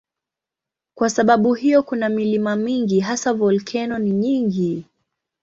Kwa sababu hiyo kuna milima mingi, hasa volkeno ni nyingi.